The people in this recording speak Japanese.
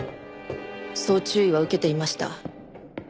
そう注意は受けていました。